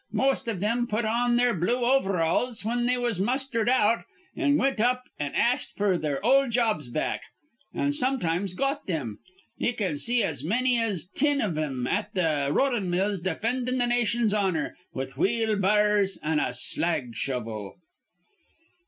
Most iv thim put on their blue overalls whin they was mustered out an' wint up an' ast f'r their ol' jobs back an' sometimes got thim. Ye can see as manny as tin iv thim at the rollin' mills defindin' th' nation's honor with wheelbahr's an' a slag shovel."